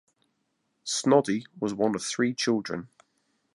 Snoddy was one of three children.